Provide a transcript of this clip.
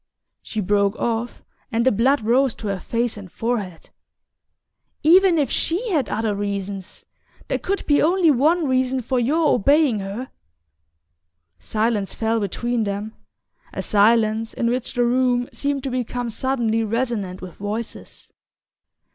She broke off and the blood rose to her face and forehead. "Even if SHE had other reasons, there could be only one reason for your obeying her " Silence fell between them, a silence in which the room seemed to become suddenly resonant with voices.